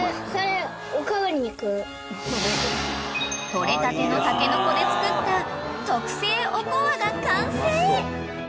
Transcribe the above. ［取れたてのタケノコで作った特製おこわが完成］